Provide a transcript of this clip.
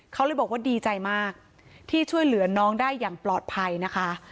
เขาเลยบอกว่าดีใจมากที่ช่วยเหลือน้องได้อย่างปลอดภัยนะคะ